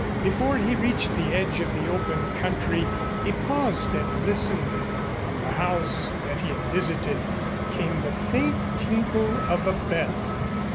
Before he reached the edge of the open country he paused and listened. From the house that he had visited came the faint tinkle of a bell.